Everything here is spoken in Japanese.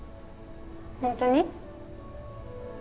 本当に？